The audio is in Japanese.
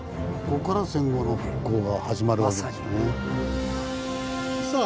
ここから戦後の復興が始まるわけですね。